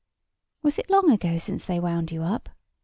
"Was it long ago since they wound you up?"